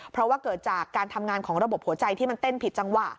เพราะว่าเกิดจากการทำงานของระบบหัวใจที่มันเต้นผิดจังหวะ